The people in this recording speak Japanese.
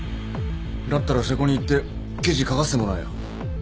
だったら瀬古に言って記事書かせてもらえよ。